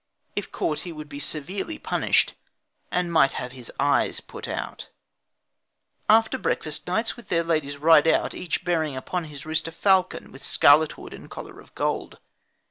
If caught he would be severely punished and might have his eyes put out. [Illustration: IN THE HIGHLANDS OF ONTARIO] After breakfast, knights with their ladies ride out, each bearing upon his wrist a falcon with scarlet hood and collar of gold.